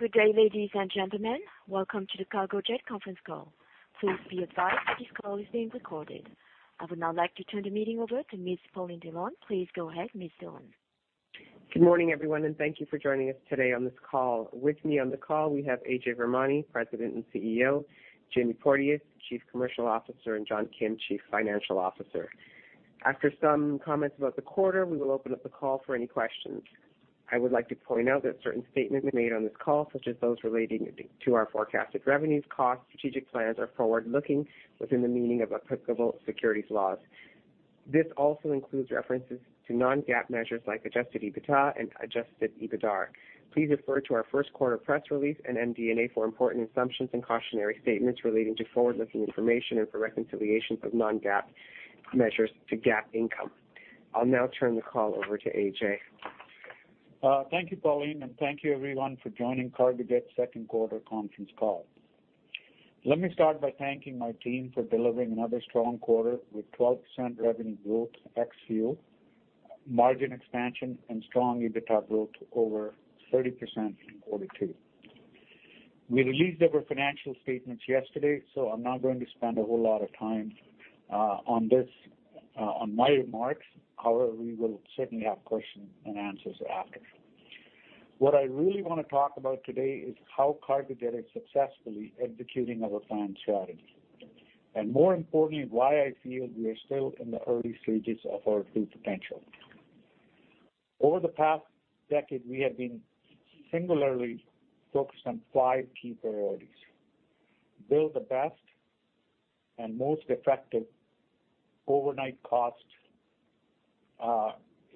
Good day, ladies and gentlemen. Welcome to the Cargojet conference call. Please be advised that this call is being recorded. I would now like to turn the meeting over to Ms. Pauline Dhillon. Please go ahead, Ms. Dhillon. Good morning, everyone, and thank you for joining us today on this call. With me on the call, we have Ajay Virmani, President and CEO, Jamie Porteous, Chief Commercial Officer, and John Kim, Chief Financial Officer. After some comments about the quarter, we will open up the call for any questions. I would like to point out that certain statements made on this call, such as those relating to our forecasted revenues, costs, strategic plans, are forward-looking within the meaning of applicable securities laws. This also includes references to non-GAAP measures like adjusted EBITDA and adjusted EBITDAR. Please refer to our first quarter press release and MD&A for important assumptions and cautionary statements relating to forward-looking information and for reconciliation of non-GAAP measures to GAAP income. I'll now turn the call over to Ajay. Thank you, Pauline, and thank you, everyone, for joining Cargojet's second quarter conference call. Let me start by thanking my team for delivering another strong quarter with 12% revenue growth ex-fuel, margin expansion, and strong EBITDA growth over 30% in quarter two. We released our financial statements yesterday, so I'm not going to spend a whole lot of time on this on my remarks. However, we will certainly have questions-and-answers after. What I really want to talk about today is how Cargojet is successfully executing our plan strategy. More importantly, why I feel we are still in the early stages of our true potential. Over the past decade, we have been singularly focused on five key priorities. Build the best and most effective overnight cost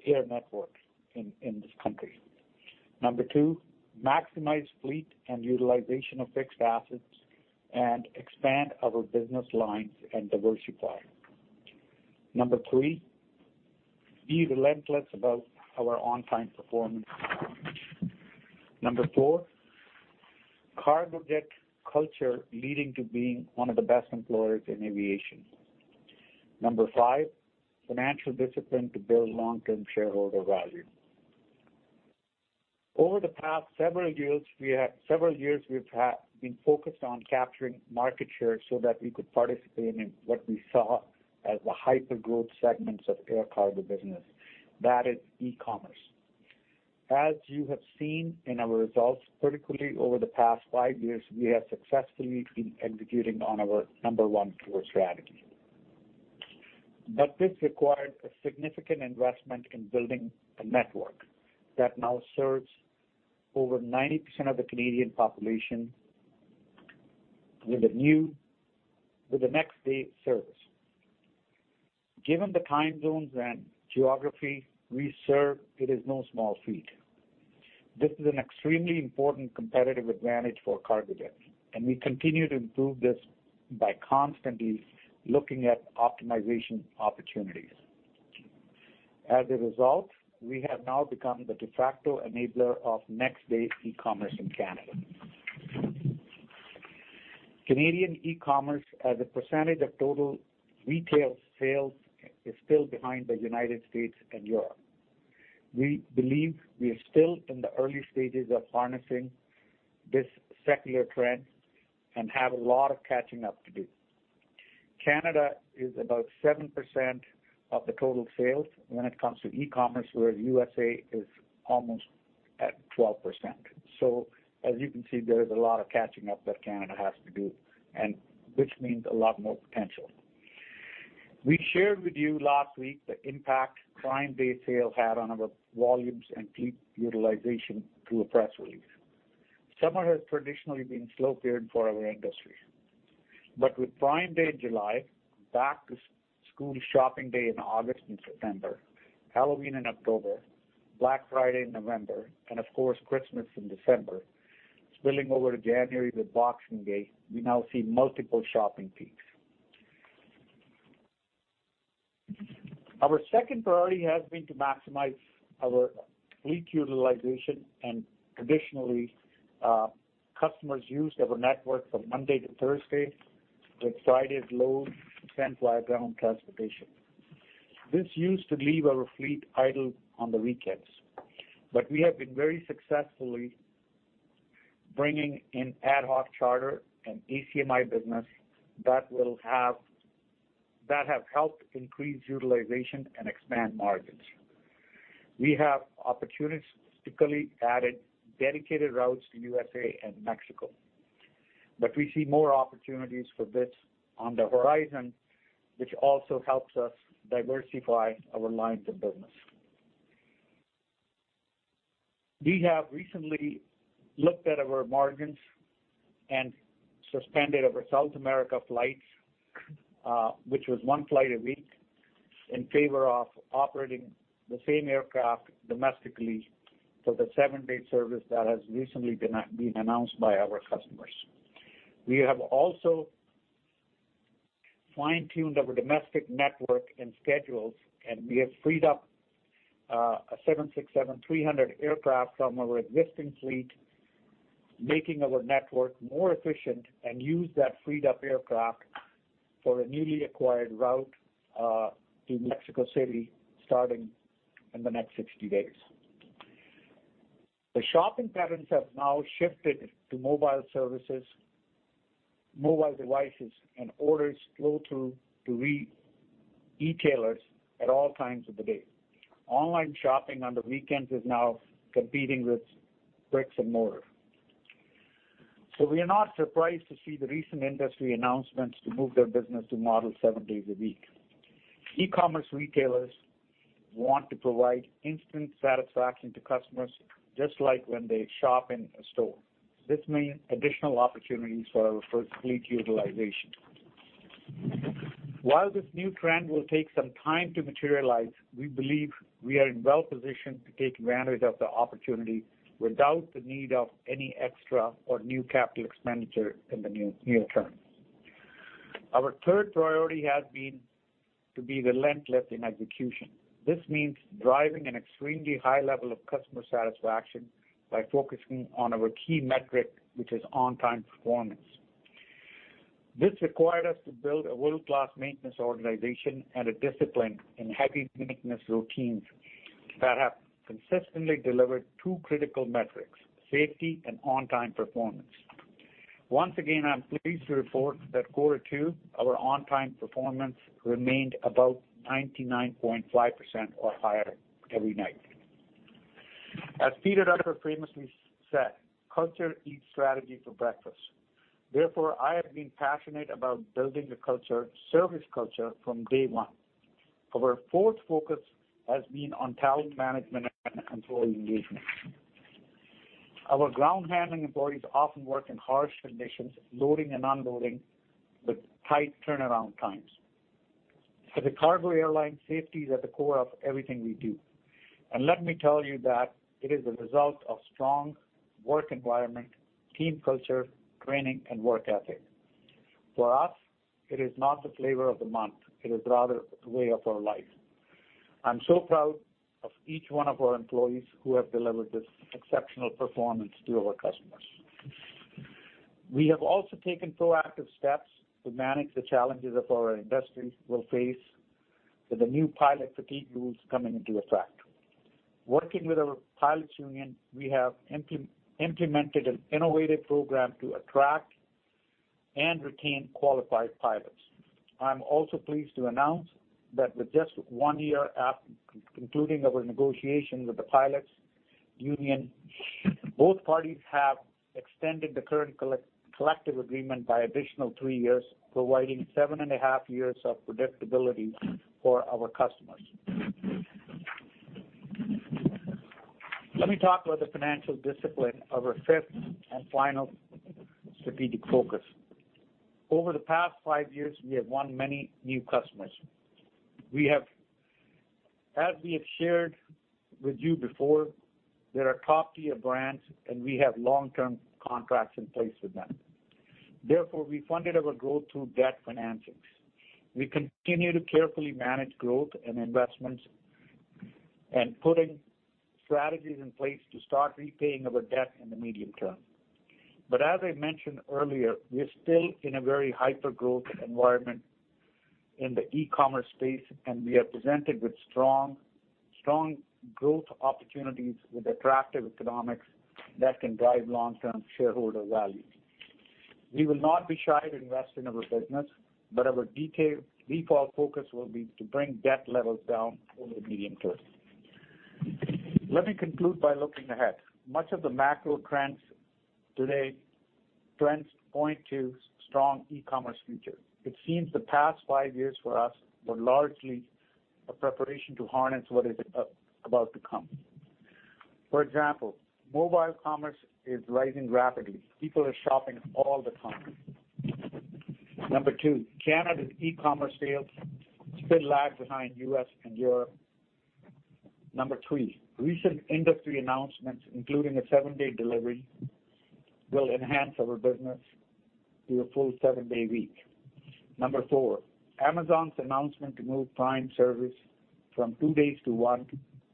air network in this country. Number two, maximize fleet and utilization of fixed assets and expand our business lines and diversify. Number three, be relentless about our on-time performance. Number four, Cargojet culture leading to being one of the best employers in aviation. Number five, financial discipline to build long-term shareholder value. Over the past several years, we've been focused on capturing market share so that we could participate in what we saw as the hyper-growth segments of air cargo business. That is e-commerce. As you have seen in our results, particularly over the past five years, we have successfully been executing on our number one core strategy. This required a significant investment in building a network that now serves over 90% of the Canadian population with a next-day service. Given the time zones and geography we serve, it is no small feat. This is an extremely important competitive advantage for Cargojet, and we continue to improve this by constantly looking at optimization opportunities. As a result, we have now become the de facto enabler of next-day e-commerce in Canada. Canadian e-commerce as a percentage of total retail sales is still behind the United States and Europe. We believe we are still in the early stages of harnessing this secular trend and have a lot of catching up to do. Canada is about 7% of the total sales when it comes to e-commerce, whereas USA is almost at 12%. As you can see, there is a lot of catching up that Canada has to do, and which means a lot more potential. We shared with you last week the impact Prime Day sale had on our volumes and fleet utilization through a press release. Summer has traditionally been slow period for our industry. With Prime Day in July, back-to-school shopping day in August and September, Halloween in October, Black Friday in November, and of course, Christmas in December, spilling over to January with Boxing Day, we now see multiple shopping peaks. Our second priority has been to maximize our fleet utilization and traditionally, customers used our network from Monday to Thursday, with Fridays low since we are ground transportation. This used to leave our fleet idle on the weekends. We have been very successfully bringing in ad hoc charter and ACMI business that have helped increase utilization and expand margins. We have opportunistically added dedicated routes to USA and Mexico. We see more opportunities for this on the horizon, which also helps us diversify our lines of business. We have recently looked at our margins and suspended our South America flights, which was one flight a week, in favor of operating the same aircraft domestically for the seven-day service that has recently been announced by our customers. We have also fine-tuned our domestic network and schedules, and we have freed up a 767-300 aircraft from our existing fleet, making our network more efficient and use that freed up aircraft for a newly acquired route to Mexico City starting in the next 60 days. The shopping patterns have now shifted to mobile services, mobile devices, and orders flow through to retailers at all times of the day. Online shopping on the weekends is now competing with bricks and mortar. We are not surprised to see the recent industry announcements to move their business to model seven days a week. E-commerce retailers want to provide instant satisfaction to customers just like when they shop in a store. This means additional opportunities for our first fleet utilization. While this new trend will take some time to materialize, we believe we are in well positioned to take advantage of the opportunity without the need of any extra or new capital expenditure in the near term. Our third priority has been to be relentless in execution. This means driving an extremely high level of customer satisfaction by focusing on our key metric, which is on-time performance. This required us to build a world-class maintenance organization and a discipline in heavy maintenance routines that have consistently delivered two critical metrics, safety and on-time performance. Once again, I'm pleased to report that quarter two, our on-time performance remained about 99.5% or higher every night. As Peter Drucker previously said, "Culture eats strategy for breakfast." Therefore, I have been passionate about building the culture, service culture, from day one. Our fourth focus has been on talent management and employee engagement. Our ground handling employees often work in harsh conditions, loading and unloading with tight turnaround times. For the cargo airline, safety is at the core of everything we do. Let me tell you that it is a result of strong work environment, team culture, training, and work ethic. For us, it is not the flavor of the month. It is rather the way of our life. I'm so proud of each one of our employees who have delivered this exceptional performance to our customers. We have also taken proactive steps to manage the challenges that our industry will face with the new pilot fatigue rules coming into effect. Working with our pilots union, we have implemented an innovative program to attract and retain qualified pilots. I'm also pleased to announce that with just one year after concluding our negotiation with the pilots union, both parties have extended the current collective agreement by additional three years, providing seven and a half years of predictability for our customers. Let me talk about the financial discipline, our fifth and final strategic focus. Over the past five years, we have won many new customers. As we have shared with you before, they are top-tier brands, and we have long-term contracts in place with them. We funded our growth through debt financings. We continue to carefully manage growth and investments and putting strategies in place to start repaying our debt in the medium term. As I mentioned earlier, we are still in a very hyper-growth environment in the e-commerce space, and we are presented with strong growth opportunities with attractive economics that can drive long-term shareholder value. We will not be shy to invest in our business, but our default focus will be to bring debt levels down over the medium term. Let me conclude by looking ahead. Much of the macro trends today point to strong e-commerce future. It seems the past five years for us were largely a preparation to harness what is about to come. For example, mobile commerce is rising rapidly. People are shopping all the time. Number two, Canada's e-commerce sales still lag behind U.S. and Europe. Number three, recent industry announcements, including a seven-day delivery, will enhance our business to a full seven-day week. Number four, Amazon's announcement to move Prime service from two days to one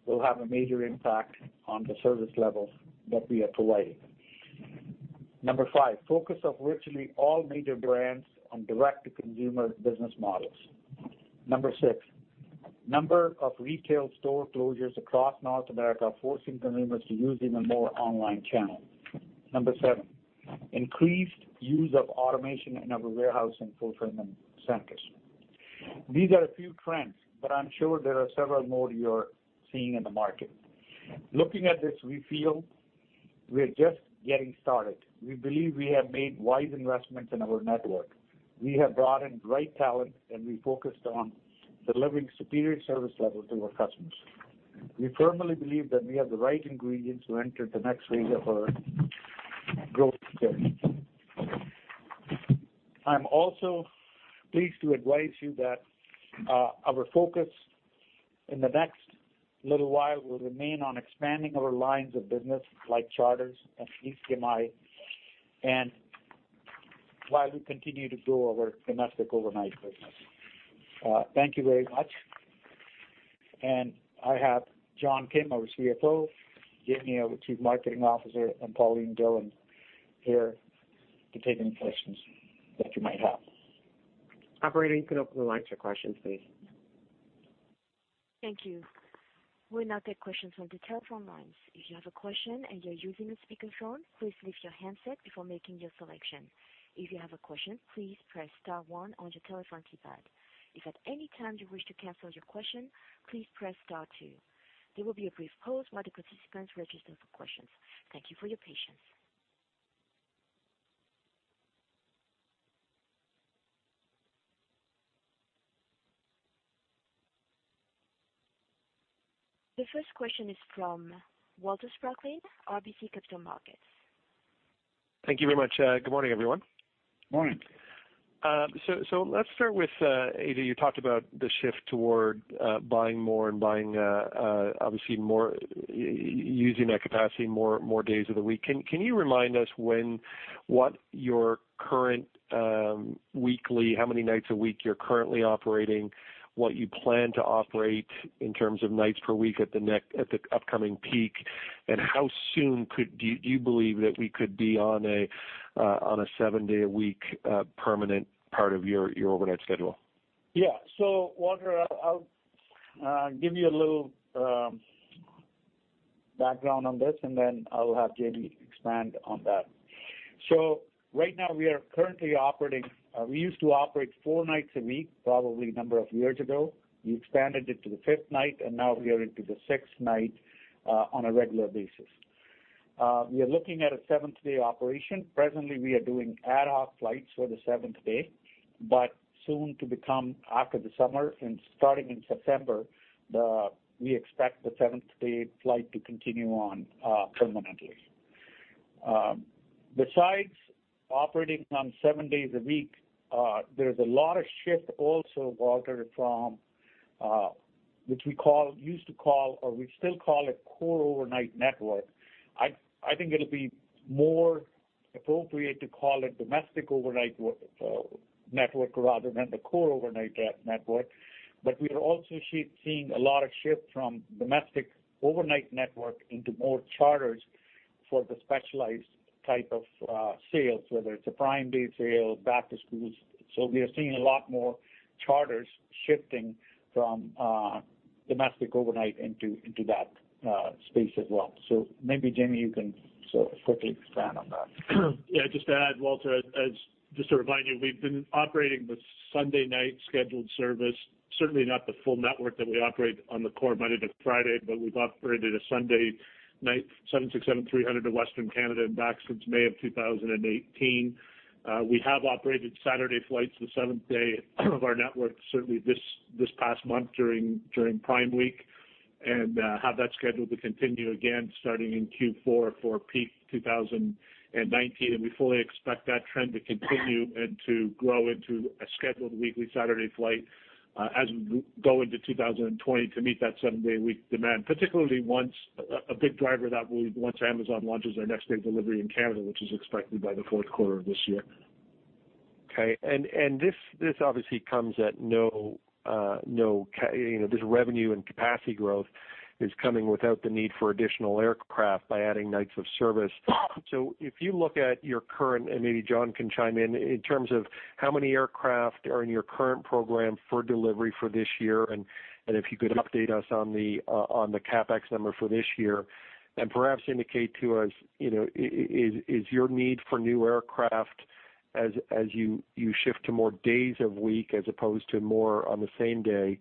will have a major impact on the service levels that we are providing. Number five, focus of virtually all major brands on direct-to-consumer business models. Number six, number of retail store closures across North America, forcing consumers to use even more online channels. Number seven, increased use of automation in our warehouse and fulfillment centers. These are a few trends, but I'm sure there are several more you're seeing in the market. Looking at this, we feel we are just getting started. We believe we have made wise investments in our network. We have brought in great talent, and we focused on delivering superior service level to our customers. We firmly believe that we have the right ingredients to enter the next phase of our growth journey. I'm also pleased to advise you that our focus in the next little while will remain on expanding our lines of business-like charters and ACMI, and while we continue to grow our domestic overnight business. Thank you very much. I have John Kim, our CFO, Jamie Porteous, Chief Marketing Officer, and Pauline Dhillon here to take any questions that you might have. Operator, you can open the line for questions, please. Thank you. We'll now take questions from the telephone lines. If you have a question and you're using a speakerphone, please lift your handset before making your selection. If you have a question, please press star one on your telephone keypad. If at any time you wish to cancel your question, please press star two. There will be a brief pause while the participants register for questions. Thank you for your patience. The first question is from Walter Spracklin, RBC Capital Markets. Thank you very much. Good morning, everyone. Morning. Let's start with, Ajay, you talked about the shift toward buying more and obviously using that capacity more days of the week. Can you remind us what your current weekly, how many nights a week you're currently operating, what you plan to operate in terms of nights per week at the upcoming peak, and how soon do you believe that we could be on a seven-day a week, permanent part of your overnight schedule? Yeah. Walter, I'll give you a little background on this, and then I will have Jamie expand on that. Right now we used to operate four nights a week, probably a number of years ago. We expanded it to the fifth night, and now we are into the sixth night on a regular basis. We are looking at a seventh-day operation. Presently, we are doing ad hoc flights for the seventh day, but soon to become after the summer and starting in September, we expect the seventh-day flight to continue on permanently. Besides operating on seven days a week, there's a lot of shift also, Walter, from which we still call a core overnight network. I think it'll be more appropriate to call it domestic overnight network rather than the core overnight network. We are also seeing a lot of shift from domestic overnight network into more charters for the specialized type of sales, whether it's a Prime Day sale, back to schools. We are seeing a lot more charters shifting from domestic overnight into that space as well. Maybe Jamie, you can quickly expand on that. Just to add, Walter, just to remind you, we've been operating the Sunday night scheduled service, certainly not the full network that we operate on the core Monday to Friday, but we've operated a Sunday night 767-300 to Western Canada and back since May of 2018. We have operated Saturday flights, the seventh day of our network, certainly this past month during Prime Week, and have that scheduled to continue again starting in Q4 for peak 2019. We fully expect that trend to continue and to grow into a scheduled weekly Saturday flight as we go into 2020 to meet that seven-day-a-week demand, particularly a big driver that will be once Amazon launches their next-day delivery in Canada, which is expected by the fourth quarter of this year. Okay. And this obviously comes at no-. This revenue, and capacity growth is coming without the need for additional aircraft by adding nights of service. If you look at your current, and maybe John can chime in terms of how many aircraft are in your current program for delivery for this year, and if you could update us on the CapEx number for this year. Perhaps indicate to us, is your need for new aircraft as you shift to more days of week as opposed to more on the same day,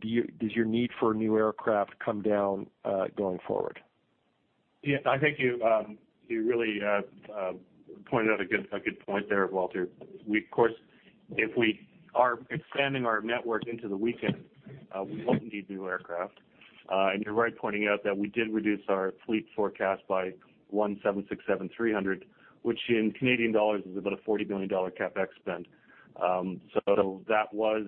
does your need for new aircraft come down going forward? I think you really pointed out a good point there, Walter. If we are expanding our network into the weekend, we won't need new aircraft. You're right pointing out that we did reduce our fleet forecast by one 767-300, which in Canadian dollars is about a 40 million dollar CapEx spend. That was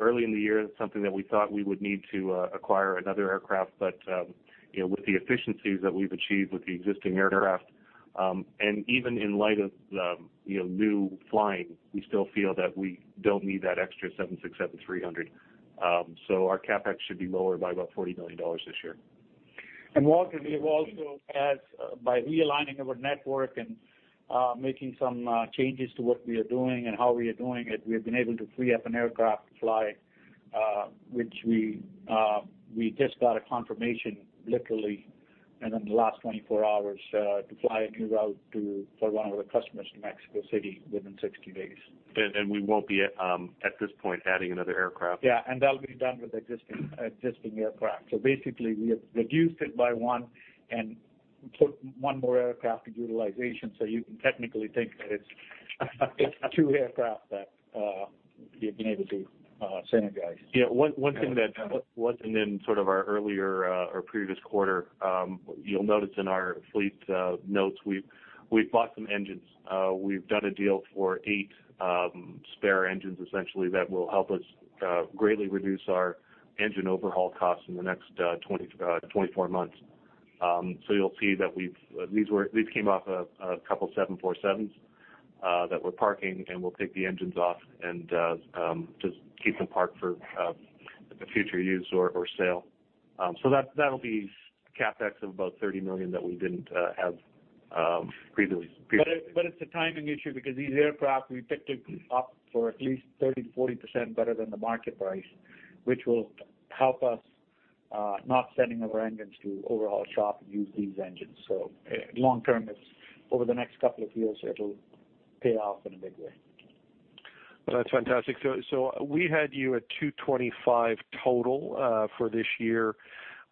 early in the year, that's something that we thought we would need to acquire another aircraft, with the efficiencies that we've achieved with the existing aircraft, even in light of new flying, we still feel that we don't need that extra 767-300. Our CapEx should be lower by about 40 million dollars this year. Walter, we've also, by realigning our network and making some changes to what we are doing and how we are doing it, we've been able to free up an aircraft to fly, which we just got a confirmation literally and in the last 24 hours, to fly a new route for one of the customers to Mexico City within 60 days. We won't be, at this point, adding another aircraft. Yeah. That'll be done with existing aircraft. Basically, we have reduced it by one and put one more aircraft to utilization. You can technically think that it's two aircraft that we've been able to synergize. One thing that wasn't in sort of our earlier or previous quarter, you'll notice in our fleet notes, we've bought some engines. We've done a deal for eight spare engines, essentially, that will help us greatly reduce our engine overhaul costs in the next 24 months. You'll see that these came off a couple 747s that we're parking, and we'll take the engines off and just keep them parked for the future use or sale. That'll be CapEx of about 30 million that we didn't have previously. It's a timing issue because these aircraft, we picked it up for at least 30%-40% better than the market price, which will help us not sending our engines to overhaul shop and use these engines. Long term, over the next couple of years, it'll pay off in a big way. That's fantastic. We had you at 225 total for this year.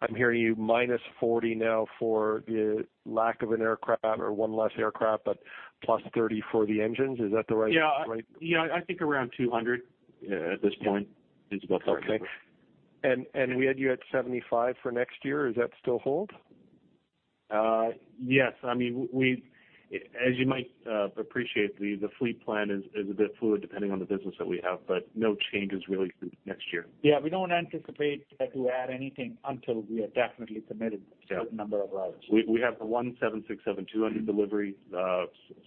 I'm hearing you minus 40 now for the lack of an aircraft or one less aircraft, but plus 30 for the engines. Is that the right? Yeah. I think around 200 at this point is about right. Okay. We had you at 75 for next year. Is that still hold? Yes. As you might appreciate, the fleet plan is a bit fluid depending on the business that we have, but no changes really for next year. Yeah, we don't anticipate that we'll add anything until we are definitely committed to a number of hours. We have the 767-200 delivery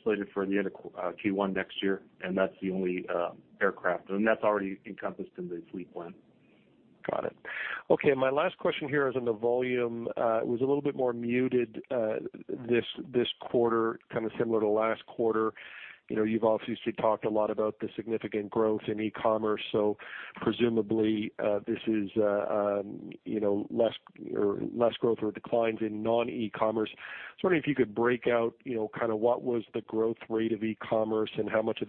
slated for the end of Q1 next year, and that's the only aircraft, and that's already encompassed in the fleet plan. Got it. Okay, my last question here is on the volume. It was a little bit more muted this quarter, kind of similar to last quarter. You've obviously talked a lot about the significant growth in e-commerce, so presumably, this is less growth or declines in non-e-commerce. Just wondering if you could break out, kind of what was the growth rate of e-commerce and how much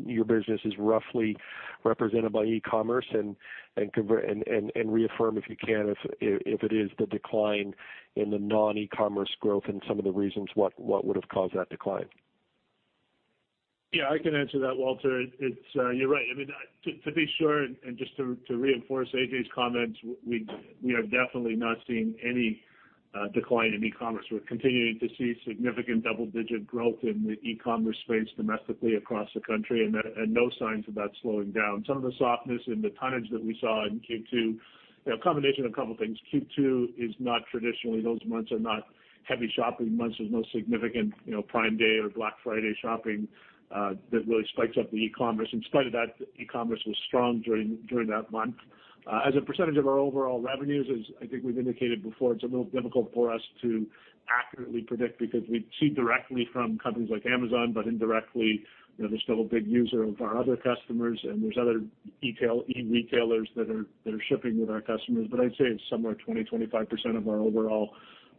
of that your business is roughly represented by e-commerce and reaffirm, if you can, if it is the decline in the non-e-commerce growth and some of the reasons what would've caused that decline. Yeah, I can answer that, Walter. You're right. To be sure and just to reinforce Ajay's comments, we are definitely not seeing any decline in e-commerce. We're continuing to see significant double-digit growth in the e-commerce space domestically across the country, and no signs of that slowing down. Some of the softness in the tonnage that we saw in Q2, a combination of couple things. Q2 is not traditionally, those months are not heavy shopping months. There's no significant Prime Day or Black Friday shopping that really spikes up the e-commerce. In spite of that, e-commerce was strong during that month. As a percentage of our overall revenues, as I think we've indicated before, it's a little difficult for us to accurately predict because we see directly from companies like Amazon, but indirectly, they're still a big user of our other customers, and there's other e-retailers that are shipping with our customers. But I'd say it's somewhere 20%, 25% of our overall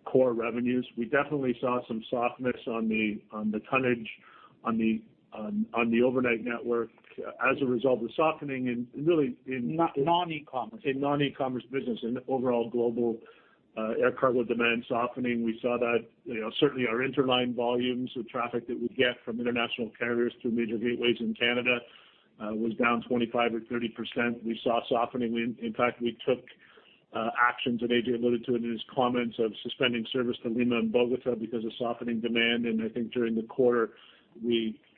core revenues. We definitely saw some softness on the tonnage on the overnight network as a result of softening and really in- Non-e-commerce. In non-e-commerce business and overall global air cargo demand softening. We saw that certainly our interline volumes of traffic that we get from international carriers through major gateways in Canada was down 25% or 30%. We saw softening. In fact, we took actions that Ajay alluded to in his comments of suspending service to Lima and Bogota because of softening demand. I think during the quarter,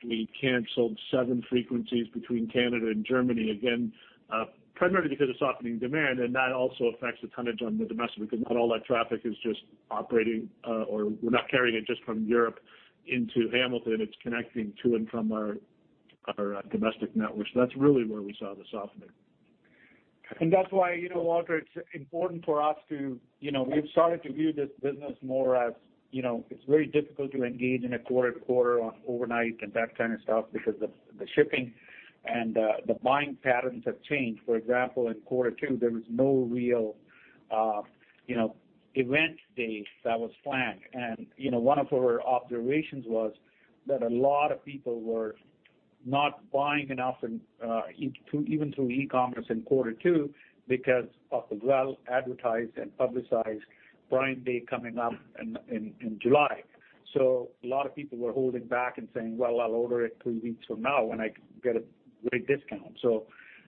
we canceled seven frequencies between Canada and Germany, again, primarily because of softening demand, and that also affects the tonnage on the domestic because not all that traffic is just operating or we're not carrying it just from Europe into Hamilton. It's connecting to and from our domestic network. That's really where we saw the softening. That's why, Walter, we've started to view this business more as it's very difficult to engage in a quarter to quarter on overnight and that kind of stuff because the shipping and the buying patterns have changed. Example, in quarter two, there was no real event day that was flagged. One of our observations was that a lot of people were not buying enough even through e-commerce in quarter two because of the well-advertised and publicized Prime Day coming up in July. A lot of people were holding back and saying, "Well, I'll order it three weeks from now when I get a great discount."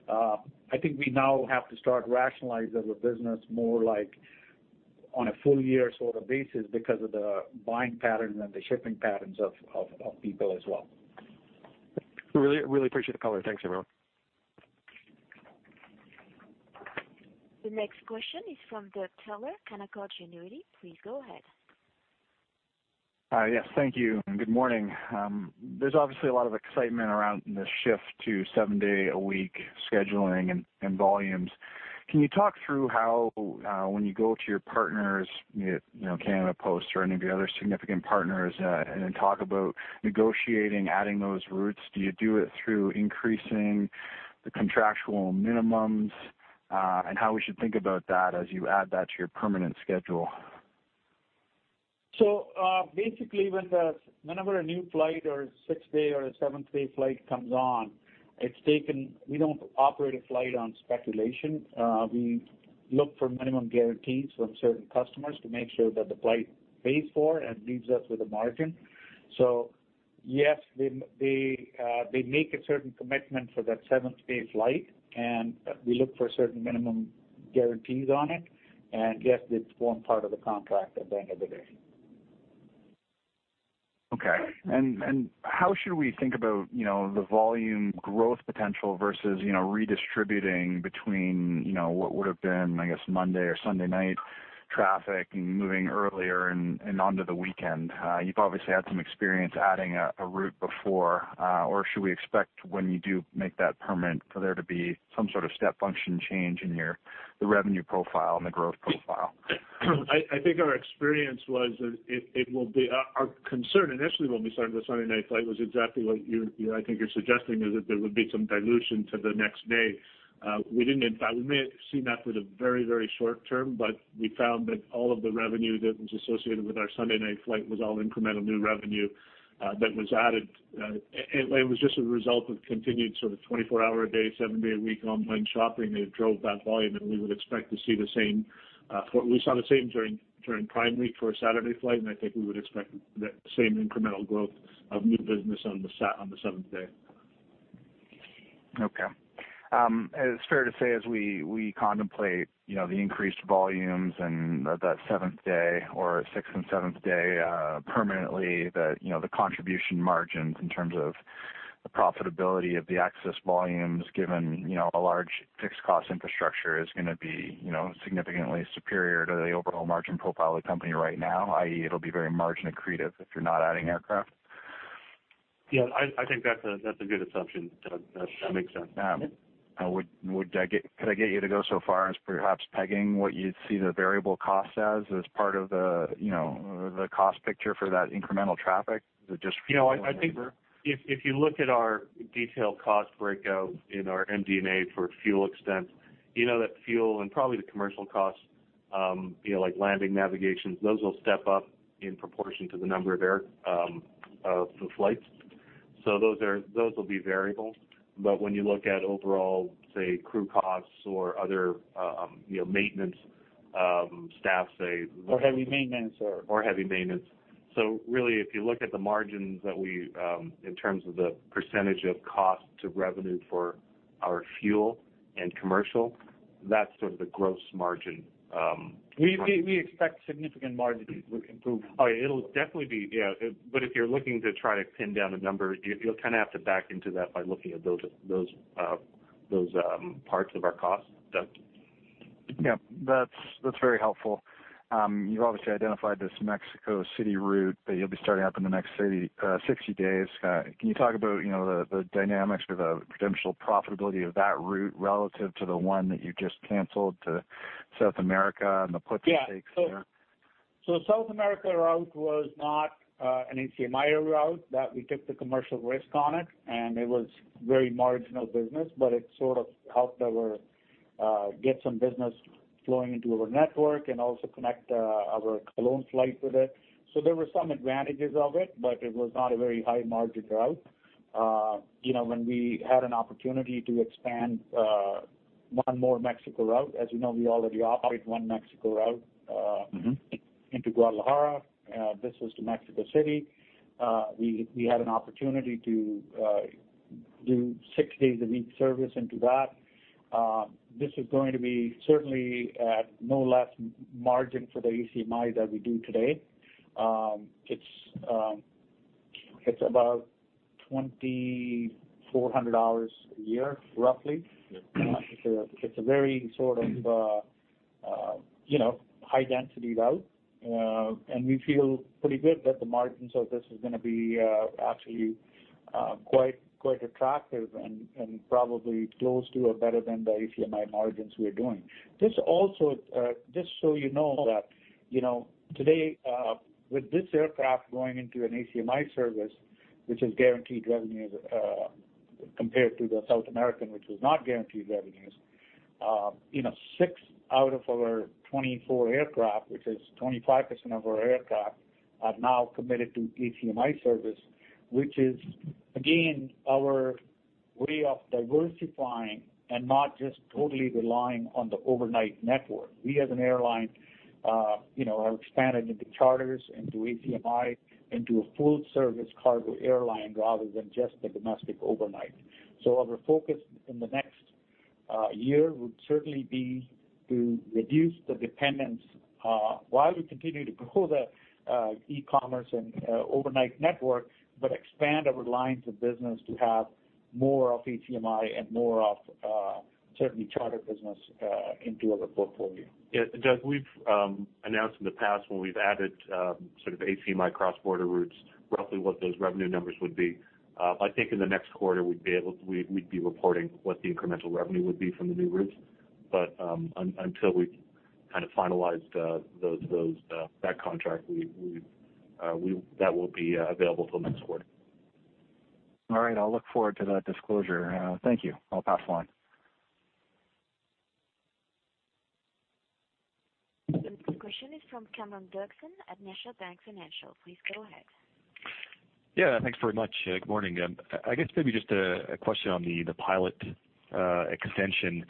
I think we now have to start rationalizing the business more like on a full year sort of basis because of the buying patterns and the shipping patterns of people as well. Really appreciate the color. Thanks, everyone. The next question is from Doug Taylor, Canaccord Genuity. Please go ahead. Yes. Thank you. Good morning. There's obviously a lot of excitement around the shift to seven day a week scheduling and volumes. Can you talk through how when you go to your partners, Canada Post or any of your other significant partners, then talk about negotiating, adding those routes, do you do it through increasing the contractual minimums? How we should think about that as you add that to your permanent schedule? Basically whenever a new flight or a six day or a seven-day flight comes on, we don't operate a flight on speculation. We look for minimum guarantees from certain customers to make sure that the flight pays for and leaves us with a margin. Yes, they make a certain commitment for that seventh day flight, and we look for certain minimum guarantees on it. Yes, it forms part of the contract at the end of the day. Okay. How should we think about the volume growth potential versus redistributing between what would've been, I guess, Monday or Sunday night traffic and moving earlier and onto the weekend? You've obviously had some experience adding a route before, or should we expect when you do make that permanent for there to be some sort of step function change in the revenue profile and the growth profile? I think our experience was that our concern initially when we started the Sunday night flight was exactly what I think you're suggesting, is that there would be some dilution to the next day. We may have seen that with the very short term, but we found that all of the revenue that was associated with our Sunday night flight was all incremental new revenue that was added. It was just a result of continued 24-hour-a-day, seven-day-a-week online shopping that drove that volume and we would expect to see the same. We saw the same during Prime Week for a Saturday flight, and I think we would expect that same incremental growth of new business on the seventh day. Okay. It's fair to say, as we contemplate the increased volumes and that seventh day or sixth and seventh day permanently, the contribution margins in terms of the profitability of the excess volumes, given a large fixed cost infrastructure is going to be significantly superior to the overall margin profile of the company right now, i.e., it'll be very margin accretive if you're not adding aircraft? Yeah, I think that's a good assumption, Doug. That makes sense. Yeah. Could I get you to go so far as perhaps pegging what you'd see the variable cost as part of the cost picture for that incremental traffic? I think if you look at our detailed cost breakout in our MD&A for fuel expense, you know that fuel and probably the commercial costs like landing and navigation, those will step up in proportion to the number of flights. Those will be variable. When you look at overall, say, crew costs or other maintenance staff. Heavy maintenance or-. Heavy maintenance. Really, if you look at the margins in terms of the percentage of cost to revenue for our fuel and commercial, that's sort of the gross margin. We expect significant margin improvement. It'll definitely be, yeah. If you're looking to try to pin down a number, you'll kind of have to back into that by looking at those parts of our cost, Doug. Yeah. That's very helpful. You've obviously identified this Mexico City route that you'll be starting up in the next 60 days. Can you talk about the dynamics or the potential profitability of that route relative to the one that you just canceled to South America and the puts and takes there? Yeah. South America route was not an ACMI route, that we took the commercial risk on it, and it was very marginal business, but it sorts of helped get some business flowing into our network and also connect our Cologne flight with it. There were some advantages of it, but it was not a very high-margin route. When we had an opportunity to expand one more Mexico route, as you know, we already operate one Mexico route into Guadalajara. This was to Mexico City. We had an opportunity to do six days a week service into that. This is going to be certainly at no less margin for the ACMI that we do today. It's about 2,400 hours a year, roughly. Yeah. It's a very sort of high-density route. We feel pretty good that the margins of this is going to be absolutely quite attractive and probably close to or better than the ACMI margins we're doing. Just so you know that today, with this aircraft going into an ACMI service, which is guaranteed revenue, compared to the South American, which was not guaranteed revenues. Six out of our 24 aircraft, which is 25% of our aircraft, are now committed to ACMI service, which is again, our way of diversifying and not just totally relying on the overnight network. We, as an airline, are expanding into charters, into ACMI, into a full-service cargo airline rather than just the domestic overnight. Our focus in the next year would certainly be to reduce the dependence while we continue to grow the e-commerce and overnight network, but expand our lines of business to have more of ACMI and more of certainly charter business into our portfolio. Yeah. Doug, we've announced in the past when we've added sort of ACMI cross-border routes, roughly what those revenue numbers would be. I think in the next quarter, we'd be reporting what the incremental revenue would be from the new routes. Until we've kind of finalized that contract, that will be available for the next quarter. All right. I'll look forward to that disclosure. Thank you. I'll pass the line. The next question is from Cameron Doerksen at National Bank Financial. Please go ahead. Yeah. Thanks very much. Good morning. I guess maybe just a question on the pilot extension?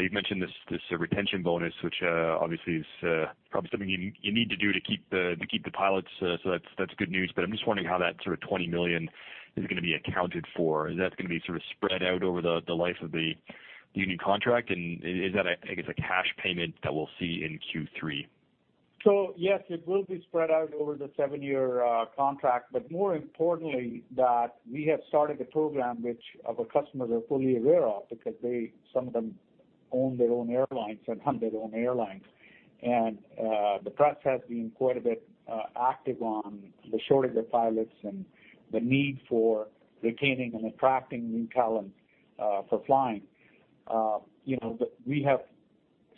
You've mentioned this retention bonus, which obviously is probably something you need to do to keep the pilots, so that's good news. I'm just wondering how that sort of 20 million is going to be accounted for. Is that going to be sort of spread out over the life of the union contract? Is that, I guess, a cash payment that we'll see in Q3? Yes, it will be spread out over the seven-year contract. More importantly, that we have started a program which our customers are fully aware of because some of them own their own airlines and run their own airlines. The press has been quite a bit active on the shortage of pilots and the need for retaining and attracting new talent for flying. We have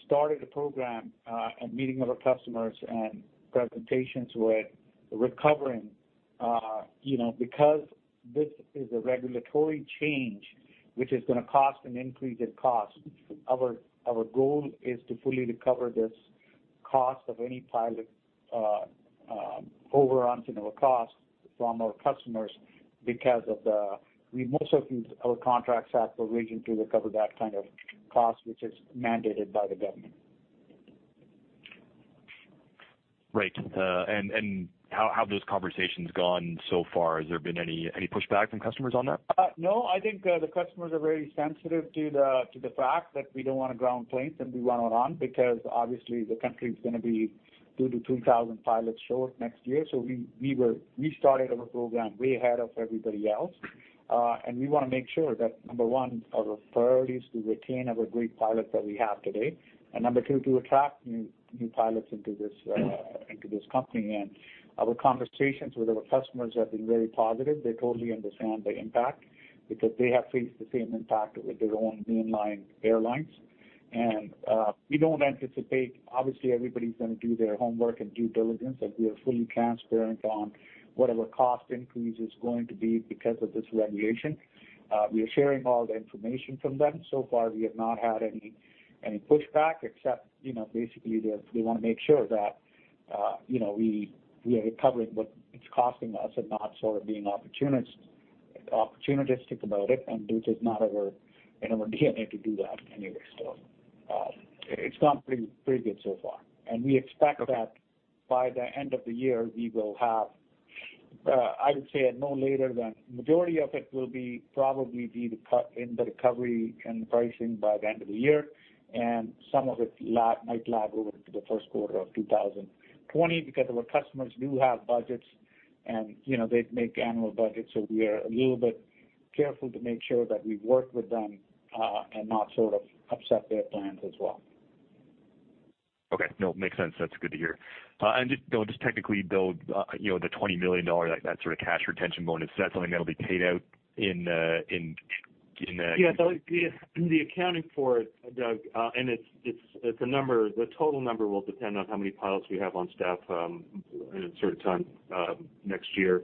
started a program and meeting with our customers and presentations with recovering. This is a regulatory change, which is going to cost an increase in cost, our goal is to fully recover this cost of any pilot over onto our cost from our customers, because most of our contracts have the right to recover that kind of cost, which is mandated by the government. Right. How have those conversations gone so far? Has there been any pushback from customers on that? I think the customers are very sensitive to the fact that we don't want to ground planes and we want to run because obviously the country is going to be 2,000 pilots short next year. We started our program way ahead of everybody else. We want to make sure that, number one, our priority is to retain our great pilots that we have today. Number two, to attract new pilots into this company. Our conversations with our customers have been very positive. They totally understand the impact because they have faced the same impact with their own mainline airlines. We don't anticipate, obviously, everybody's going to do their homework and due diligence, and we are fully transparent on what our cost increase is going to be because of this regulation. We are sharing all the information from them. So far, we have not had any pushback except, basically they want to make sure that we are recovering what it's costing us and not sort of being opportunistic about it, and it is not in our DNA to do that anyway. It's gone pretty good so far, and we expect that by the end of the year, we will have, I would say at no later than, majority of it will probably be in the recovery and pricing by the end of the year. Some of it might lag over into the first quarter of 2020 because our customers do have budgets, and they make annual budgets. We are a little bit careful to make sure that we work with them and not sort of upset their plans as well. Okay. No, makes sense. That's good to hear. Just technically build the 20 million dollar, that sort of cash retention bonus, is that something that'll be paid out in the. Yes, the accounting for it, [Doug], and the total number will depend on how many pilots we have on staff in a certain time next year.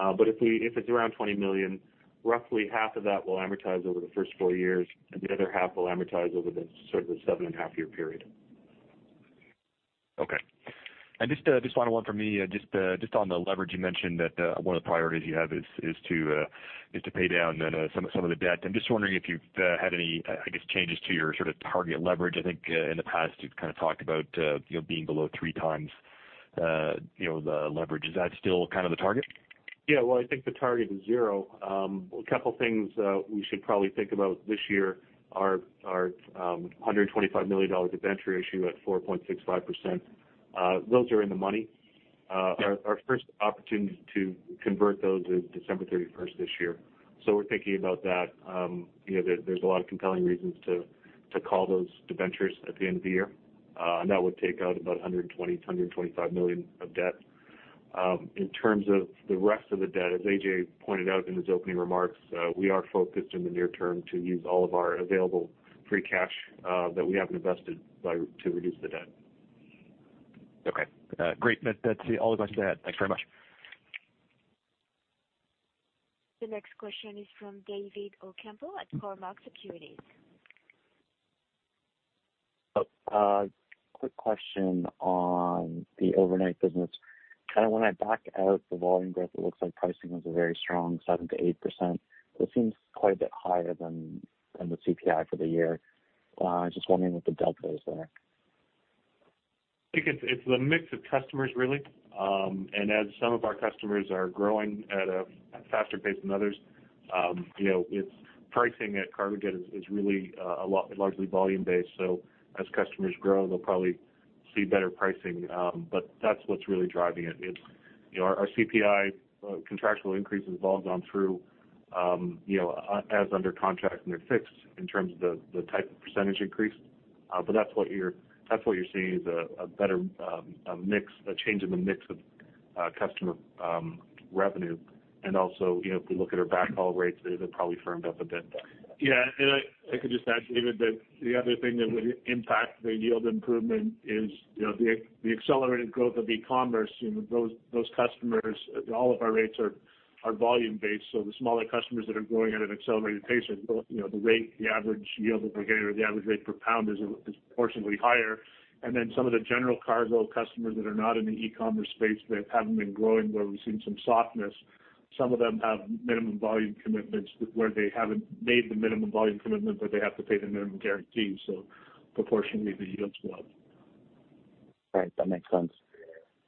If it's around 20 million, roughly half of that will amortize over the first four years, and the other half will amortize over the sort of the seven and a half year period. Okay. Just final one from me, just on the leverage, you mentioned that one of the priorities you have is to pay down some of the debt. I'm just wondering if you've had any, I guess, changes to your sort of target leverage. I think in the past you've kind of talked about being below 3x the leverage. Is that still kind of the target? Well, I think the target is zero. A couple things we should probably think about this year are 125 million dollars debenture issue at 4.65%. Those are in the money. Our first opportunity to convert those is December 31st this year. We're thinking about that. There's a lot of compelling reasons to call those debentures at the end of the year. That would take out about 120 million-125 million of debt. In terms of the rest of the debt, as Ajay pointed out in his opening remarks, we are focused on the near term to use all of our available free cash that we haven't invested to reduce the debt. Okay. Great. That's all the questions I had. Thanks very much. The next question is from David Ocampo at Cormark Securities. Quick question on the overnight business. Kind of when I back out the volume growth, it looks like pricing was a very strong 7%-8%, which seems quite a bit higher than the CPI for the year. Just wondering what the delta is there. I think it's the mix of customers, really. As some of our customers are growing at a faster pace than others, with pricing at Cargojet is really largely volume-based. As customers grow, they'll probably see better pricing. That's what's really driving it. Our CPI contractual increases have all gone through as under contract, and they're fixed in terms of the type of percentage increase. That's what you're seeing is a change in the mix of customer revenue. Also, if we look at our backhaul rates, they've probably firmed up a bit. Yeah. I could just add, David, that the other thing that would impact the yield improvement is the accelerated growth of e-commerce. Those customers, all of our rates are volume-based, so the smaller customers that are growing at an accelerated pace, the average yield that we're getting or the average rate per pound is proportionately higher. Some of the general cargo customers that are not in the e-commerce space that haven't been growing, where we've seen some softness, some of them have minimum volume commitments where they haven't made the minimum volume commitment, but they have to pay the minimum guarantee. Proportionately, the yields go up. Right. That makes sense.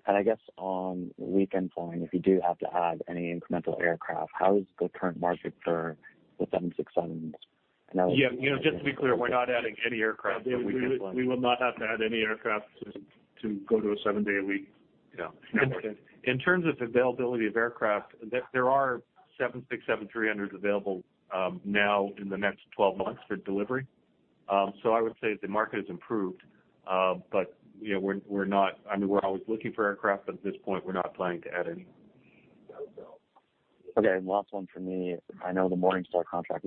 I guess on the weekend point, if you do have to add any incremental aircraft, how is the current market for the 767 now? Yeah. Just to be clear, we're not adding any aircraft with the weekend plan. We will not have to add any aircraft to go to a seven-day a week network. Yeah. In terms of availability of aircraft, there are 767-300s available now in the next 12 months for delivery. I would say the market has improved. We're always looking for aircraft, but at this point, we're not planning to add any. Okay. Last one from me. I know the Morningstar contract.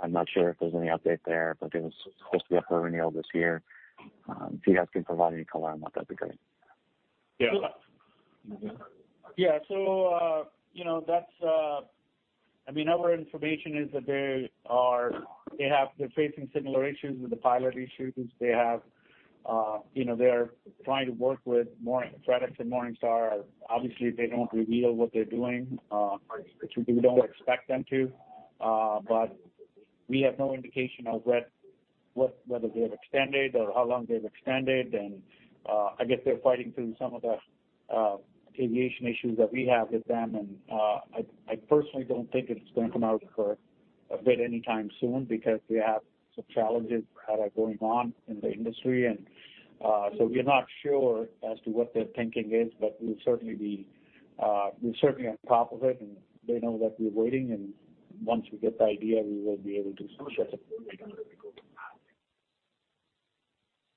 I'm not sure if there's any update there, but it was supposed to be up for renewal this year. If you guys can provide any color on that'd be great. Yeah. Yeah. Our information is that they're facing similar issues with the pilot issues. They are trying to work with FedEx and Morningstar. Obviously, they don't reveal what they're doing. We don't expect them to. We have no indication of whether they have extended or how long they've extended. I guess they're fighting through some of the aviation issues that we have with them. I personally don't think it's going to come out for a bit anytime soon, because we have some challenges that are going on in the industry. We're not sure as to what their thinking is, but we're certainly on top of it, and they know that we're waiting, and once we get the idea, we will be able to share.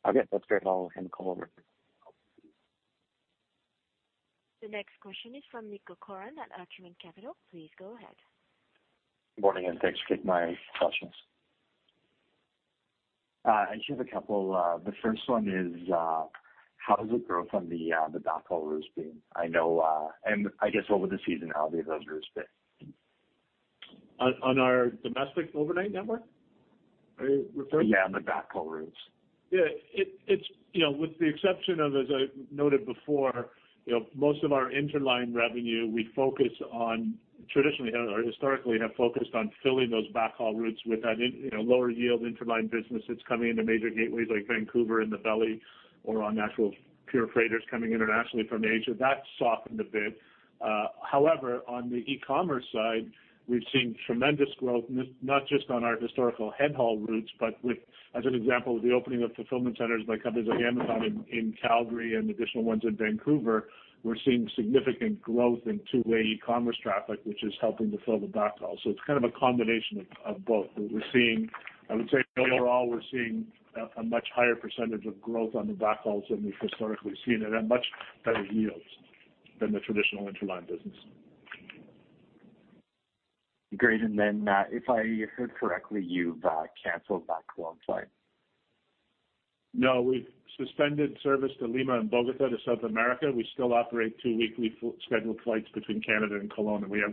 Okay. That's great. I'll end the call. The next question is from Nick Corcoran at Acumen Capital. Please go ahead. Morning, and thanks for taking my questions. I just have a couple. The first one is, how has the growth on the backhaul routes been? I guess, what would the seasonality of those routes be? On our domestic overnight network, are you referring? Yeah, on the backhaul routes. Yeah. With the exception of, as I noted before, most of our interline revenue, traditionally or historically, have focused on filling those backhaul routes with that lower yield interline business that's coming into major gateways like Vancouver in the belly or on actual pure freighters coming internationally from Asia. That softened a bit. On the e-commerce side, we've seen tremendous growth, not just on our historical head haul routes, but with, as an example, the opening of fulfillment centers by companies like Amazon in Calgary and additional ones in Vancouver. We're seeing significant growth in two-way e-commerce traffic, which is helping to fill the backhaul. It's kind of a combination of both. I would say overall, we're seeing a much higher percentage of growth on the backhauls than we've historically seen, and at much better yields than the traditional interline business. Great. Then, if I heard correctly, you've canceled that Cologne flight. No, we've suspended service to Lima and Bogota to South America. We still operate two weekly scheduled flights between Canada and Cologne. We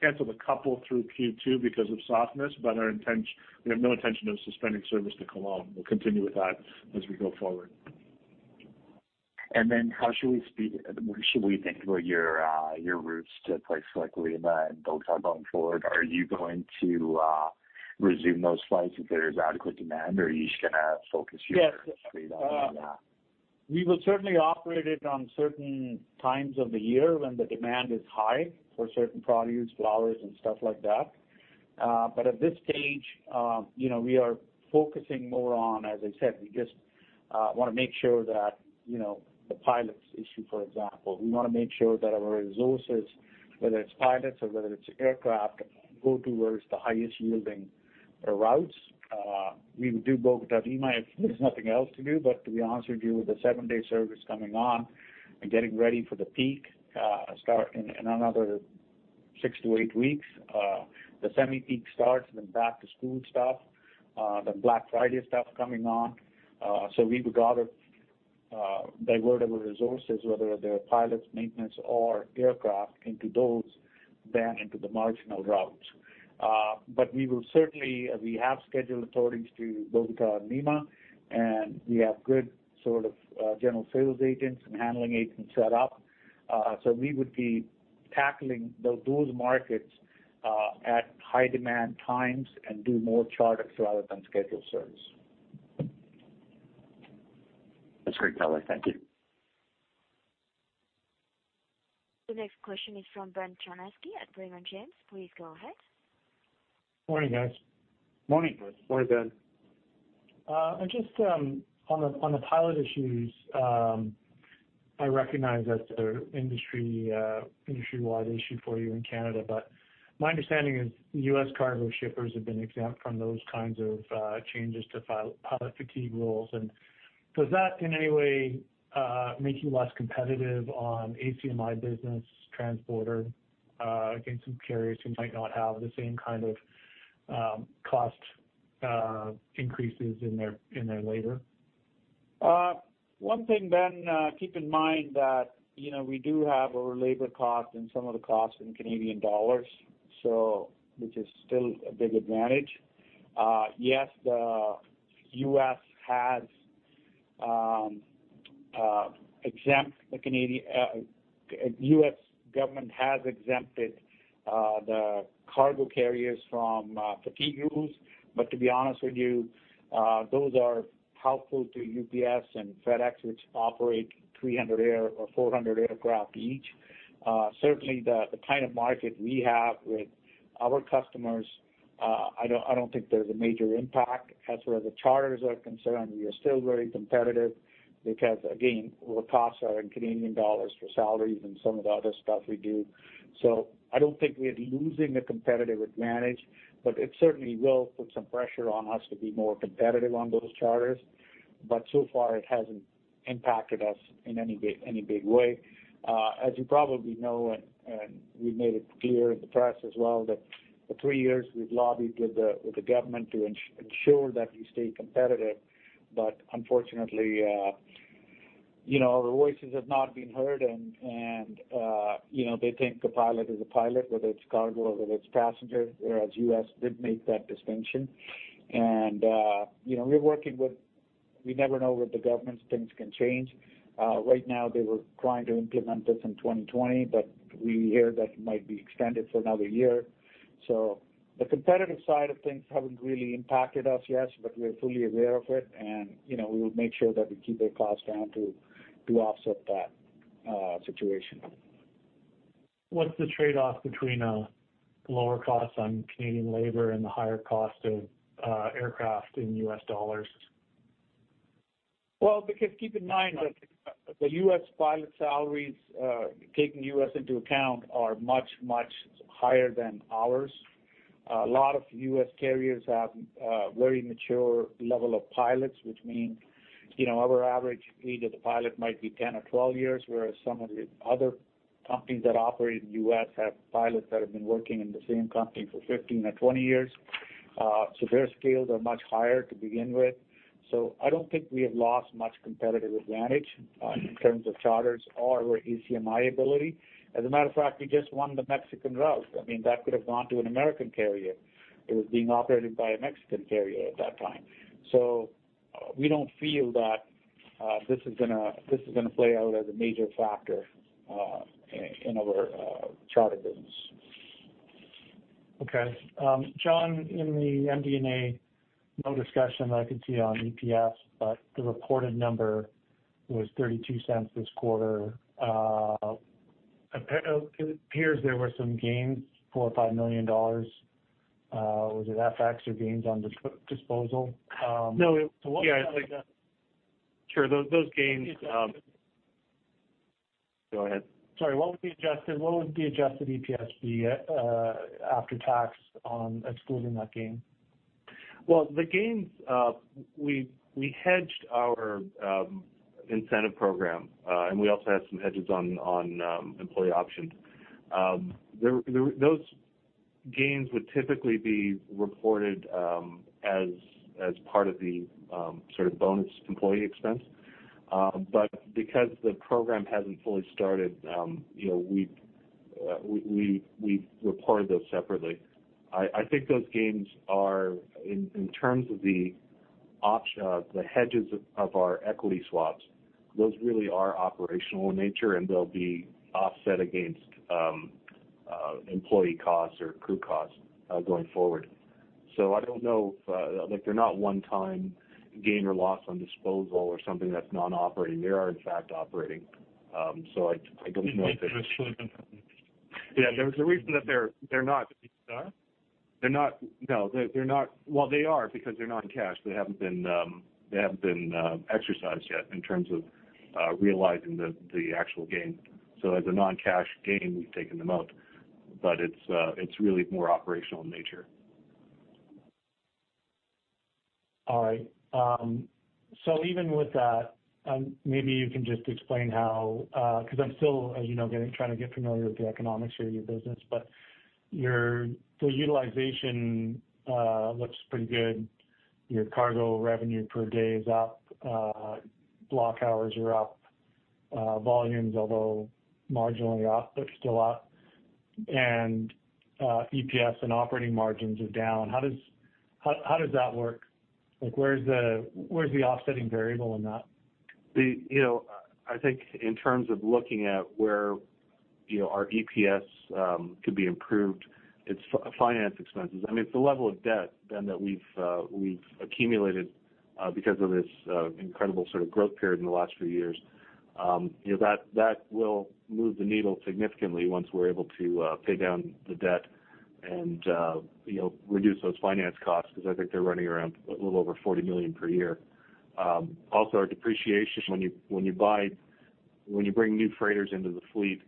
canceled a couple through Q2 because of softness. We have no intention of suspending service to Cologne. We'll continue with that as we go forward. What should we think about your routes to places like Lima and Bogota going forward? Are you going to resume those flights if there's adequate demand, or are you just going to focus on that? We will certainly operate it on certain times of the year when the demand is high for certain produce, flowers, and stuff like that. At this stage, we are focusing more on, as I said, we just want to make sure that the pilots' issue, for example. We want to make sure that our resources, whether it's pilots or whether it's aircraft, go towards the highest yielding routes. We would do Bogota, Lima, if there's nothing else to do. To be honest with you, with the seven-day service coming on and getting ready for the peak, start in another six to eight weeks. The semi-peak starts, then back to school stuff, the Black Friday stuff coming on. We would rather divert our resources, whether they're pilots, maintenance, or aircraft, into those than into the marginal routes. We have scheduled authorities to Bogota and Lima, and we have good general sales agents and handling agents set up. We would be tackling those markets at high-demand times and do more charters rather than scheduled service. That's great color. Thank you. The next question is from Ben Cherniavsky at Raymond James. Please go ahead. Morning, guys. Morning. Morning, Ben. Just on the pilot issues, I recognize that's an industry-wide issue for you in Canada, but my understanding is U.S. cargo shippers have been exempt from those kinds of changes to pilot fatigue rules. Does that in any way make you less competitive on ACMI business transborder against some carriers who might not have the same kind of cost increases in their labor? One thing, Ben, keep in mind that we do have our labor cost and some of the costs in Canadian dollars, which is still a big advantage. The U.S. government has exempted the cargo carriers from fatigue rules. To be honest with you, those are helpful to UPS and FedEx, which operate 300 or 400 aircraft each. The kind of market we have with our customers, I don't think there's a major impact. As far as the charters are concerned, we are still very competitive because, again, our costs are in Canadian dollars for salaries and some of the other stuff we do. I don't think we're losing a competitive advantage, but it certainly will put some pressure on us to be more competitive on those charters. So far, it hasn't impacted us in any big way. As you probably know, we made it clear in the press as well, that for three years we've lobbied with the government to ensure that we stay competitive. Unfortunately, our voices have not been heard and they think a pilot is a pilot, whether it's cargo or whether it's passenger, whereas U.S. did make that distinction. We never know with the governments, things can change. Right now, they were trying to implement this in 2020, we hear that it might be extended for another year. The competitive side of things haven't really impacted us yet, we're fully aware of it, we will make sure that we keep our costs down to offset that situation. What's the trade-off between lower costs on Canadian labor and the higher cost of aircraft in U.S. dollars? Because keep in mind that the U.S. pilot salaries, taking U.S. into account, are much, much higher than ours. A lot of U.S. carriers have very mature level of pilots, which mean our average age of the pilot might be 10 or 12 years, whereas some of the other companies that operate in the U.S. have pilots that have been working in the same company for 15 or 20 years. Their scales are much higher to begin with. I don't think we have lost much competitive advantage in terms of charters or our ACMI ability. As a matter of fact, we just won the Mexican route. That could have gone to an American carrier. It was being operated by a Mexican carrier at that time. We don't feel that this is going to play out as a major factor in our charter business. John, in the MD&A, no discussion that I can see on EPS, but the reported number was 0.32 this quarter. It appears there were some gains, 4 million or 5 million dollars. Was it FX or gains on disposal? No. Yeah, I think that- sure. Those gains-. Go ahead. Sorry, what would the adjusted EPS be after tax on excluding that gain? Well, the gains, we hedged our incentive program, and we also had some hedges on employee options. Those gains would typically be reported as part of the bonus employee expense. Because the program hasn't fully started, we reported those separately. I think those gains are, in terms of the hedges of our equity swaps, those really are operational in nature, and they'll be offset against employee costs or crew costs, going forward. I don't know. They're not one-time gain or loss on disposal or something that's non-operating. They are in fact, operating. I don't know. Yeah, there's a reason that they're not. They are? No. Well, they are, because they're non-cash. They haven't been exercised yet in terms of realizing the actual gain. As a non-cash gain, we've taken them out. It's really more operational in nature. All right. Even with that, maybe you can just explain how, because I'm still, as you know, trying to get familiar with the economics for your business, but the utilization looks pretty good. Your cargo revenue per day is up. Block hours are up. Volumes, although marginally up, but still up, and EPS and operating margins are down. How does that work? Where's the offsetting variable in that? I think in terms of looking at where our EPS could be improved, it's finance expenses. It's the level of debt, Ben, that we've accumulated because of this incredible sort of growth period in the last few years. That will move the needle significantly once we're able to pay down the debt and reduce those finance costs, because I think they're running around a little over 40 million per year. Our depreciation, when you bring new freighters into the fleet,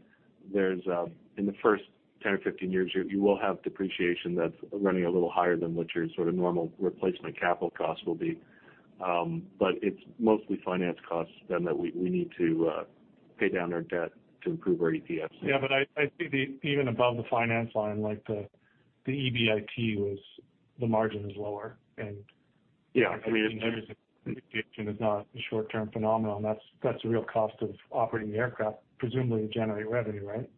in the first 10 or 15 years, you will have depreciation that's running a little higher than what your sort of normal replacement capital cost will be. It's mostly finance costs, Ben, that we need to pay down our debt to improve our EPS. Yeah, I think even above the finance line, the EBIT, the margin is lower. Yeah. It is not a short-term phenomenon. That's the real cost of operating the aircraft, presumably to generate revenue, right?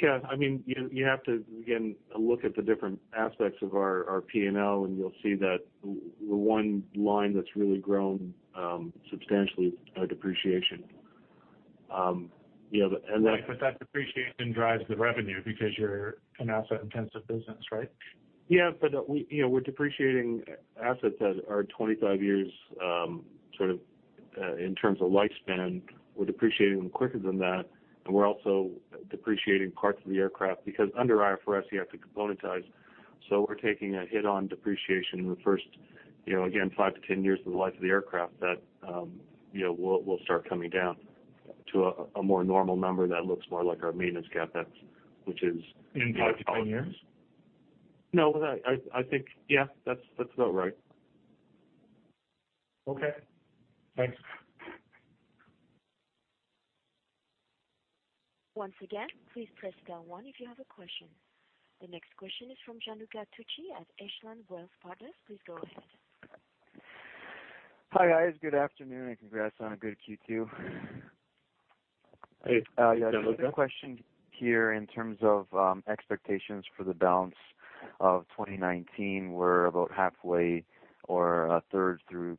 Ben, you have to, again, look at the different aspects of our P&L, and you'll see that the one line that's really grown substantially is our depreciation. Right, but that depreciation drives the revenue because you're an asset-intensive business, right? We're depreciating assets that are 25 years, sort of in terms of lifespan. We're depreciating them quicker than that, and we're also depreciating parts of the aircraft, because under IFRS, you have to componentize. We're taking a hit on depreciation in the first, again, 5-10 years of the life of the aircraft that will start coming down to a more normal number that looks more like our maintenance CapEx, which is. In 5-10 years? No, I think, yeah, that's about right. Okay, thanks. Once again, please press star one if you have a question. The next question is from Gianluca Tucci at Echelon Wealth Partners. Please go ahead. Hi, guys. Good afternoon. Congrats on a good Q2. Hey. Gianluca. I have a question here in terms of expectations for the balance of 2019. We're about halfway or a third through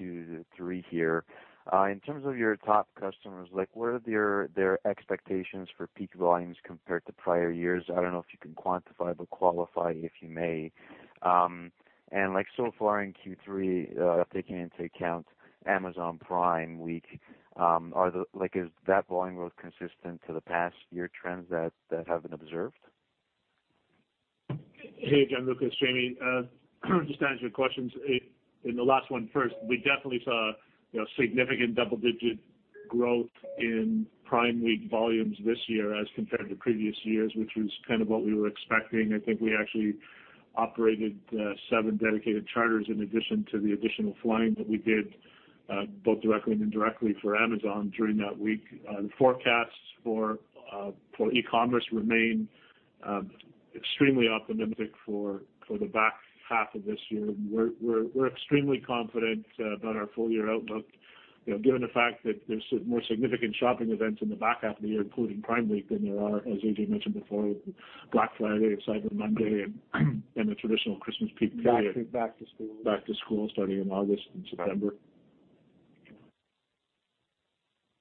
Q3 here. In terms of your top customers, what are their expectations for peak volumes compared to prior years? I don't know if you can quantify, but qualify, if you may. So far in Q3, taking into account Amazon Prime Week, is that volume growth consistent to the past year trends that have been observed? Hey, Gianluca, it's Jamie. Just to answer your questions, and the last one first, we definitely saw significant double-digit growth in Prime Week volumes this year as compared to previous years, which was kind of what we were expecting. I think we actually operated seven dedicated charters in addition to the additional flying that we did both directly and indirectly for Amazon during that week. The forecasts for e-commerce remain extremely optimistic for the back half of this year. We're extremely confident about our full-year outlook, given the fact that there's more significant shopping events in the back half of the year, including Prime Week, than there are, as Ajay mentioned before, with Black Friday, Cyber Monday, and the traditional Christmas peak period. Back to school. Back to school starting in August and September.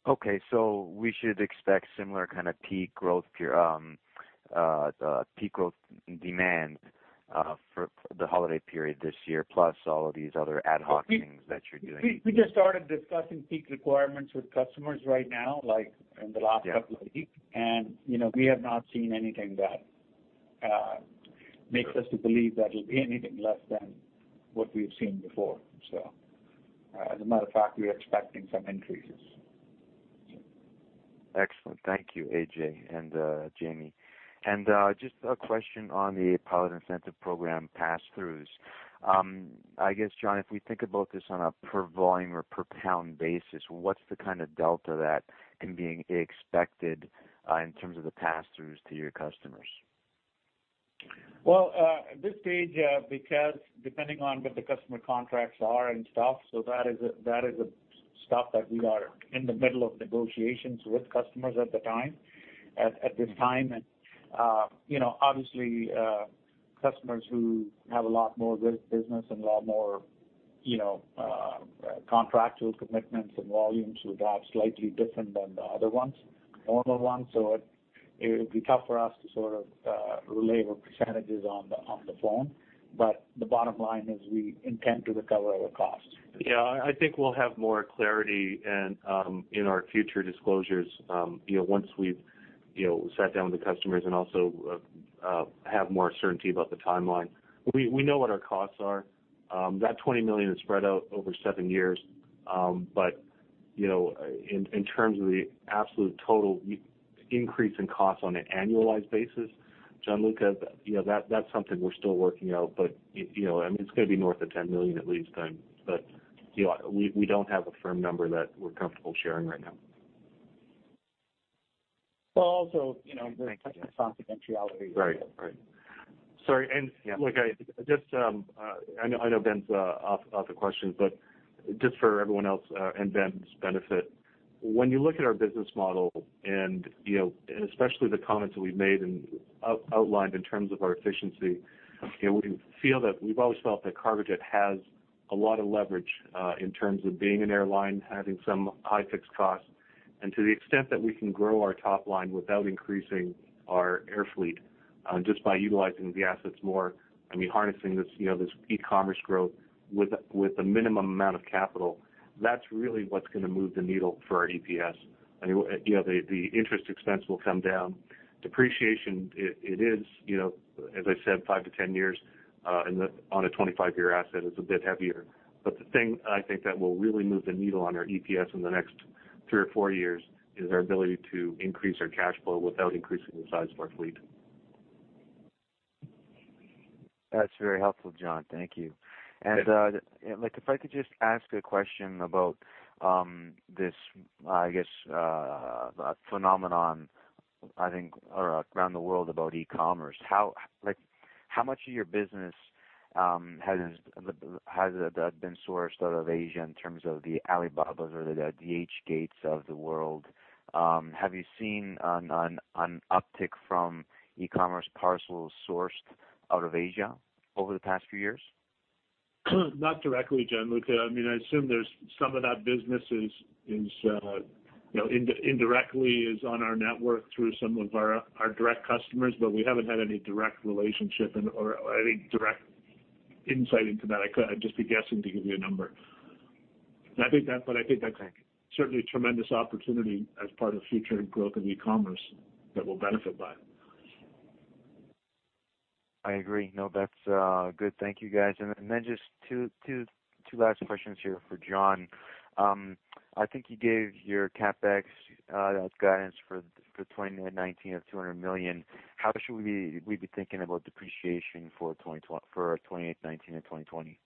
Okay. We should expect similar kind of peak growth demand for the holiday period this year, plus all of these other ad hoc things that you're doing. We just started discussing peak requirements with customers right now, like in the last couple of weeks. Yeah. We have not seen anything that makes us to believe that it'll be anything less than what we've seen before. As a matter of fact, we're expecting some increases. Excellent. Thank you, Ajay and Jamie. Just a question on the pilot incentive program pass-throughs. I guess, John, if we think about this on a per volume or per pound basis, what's the kind of delta that can be expected in terms of the pass-throughs to your customers? Well, at this stage, because depending on what the customer contracts are and stuff, that is stuff that we are in the middle of negotiations with customers at this time. Obviously, customers who have a lot more business and a lot more contractual commitments and volumes would have slightly different than the other ones. It'd be tough for us to sort of relay what percentages on the phone. The bottom line is we intend to recover our costs. Yeah, I think we'll have more clarity in our future disclosures once we've sat down with the customers and also have more certainty about the timeline. We know what our costs are. That 20 million is spread out over seven years. In terms of the absolute total increase in cost on an annualized basis, Gianluca, that's something we're still working out. It's going to be north of 10 million at least then. We don't have a firm number that we're comfortable sharing right now. Well. Thank you. There's confidentiality. Right. Sorry. Look, I know Ben's off the questions, but just for everyone else and Ben's benefit, when you look at our business model and especially the comments that we've made and outlined in terms of our efficiency, we've always felt that Cargojet has a lot of leverage in terms of being an airline, having some high fixed costs. To the extent that we can grow our top line without increasing our air fleet, just by utilizing the assets more, I mean, harnessing this e-commerce growth with a minimum amount of capital, that's really what's going to move the needle for our EPS. The interest expense will come down. Depreciation, it is, as I said, 5-10 years on a 25-year asset. It's a bit heavier. The thing I think that will really move the needle on our EPS in the next three or four years is our ability to increase our cash flow without increasing the size of our fleet. That's very helpful, John. Thank you. Good. If I could just ask a question about this, I guess, phenomenon, I think, around the world about e-commerce. How much of your business has been sourced out of Asia in terms of the Alibaba or the DHgates of the world? Have you seen an uptick from e-commerce parcels sourced out of Asia over the past few years? Not directly, Gianluca. I assume some of that business indirectly is on our network through some of our direct customers, but we haven't had any direct relationship or any direct insight into that. I'd just be guessing to give you a number. I think that's certainly a tremendous opportunity as part of future growth of e-commerce that we'll benefit by. I agree. No, that's good. Thank you, guys. Then just two last questions here for John. I think you gave your CapEx guidance for 2019 of 200 million. How should we be thinking about depreciation for 2019 and 2020?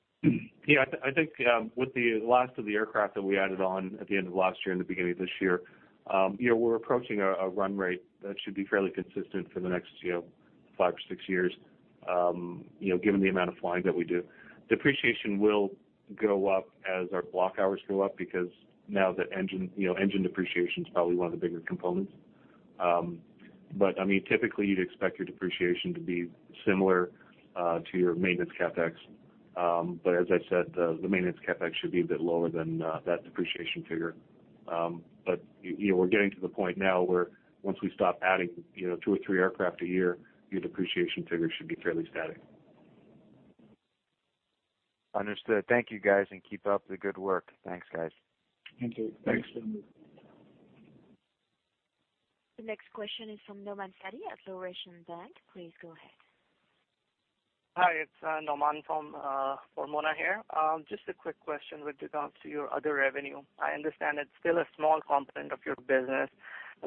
Yeah, I think with the last of the aircraft that we added on at the end of last year and the beginning of this year, we're approaching a run rate that should be fairly consistent for the next five or six years, given the amount of flying that we do. Depreciation will go up as our block hours go up, because now the engine depreciation is probably one of the bigger components. Typically, you'd expect your depreciation to be similar to your maintenance CapEx. As I said, the maintenance CapEx should be a bit lower than that depreciation figure. We're getting to the point now where once we stop adding two or three aircraft a year, your depreciation figures should be fairly static. Understood. Thank you, guys, and keep up the good work. Thanks, guys. Thank you. Thanks. The next question is from Nauman Satti at Laurentian Bank. Please go ahead. Hi, it's Nauman from Laurentian here. Just a quick question with regards to your other revenue. I understand it's still a small component of your business,